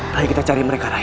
rai kita cari mereka rai